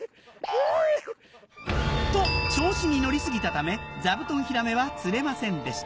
フゥ！と調子に乗り過ぎたため座布団ヒラメは釣れませんでした